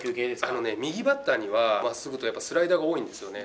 あのね、右バッターにはまっすぐと、やっぱりスライダーが多いんですよね。